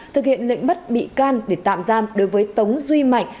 thực hiện lệnh bắt bị can để tạm giam đối với tống duy mạnh